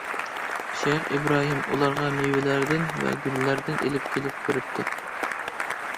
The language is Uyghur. شەيخ ئىبراھىم ئۇلارغا مېۋىلەردىن ۋە گۈللەردىن ئېلىپ كېلىپ بېرىپتۇ.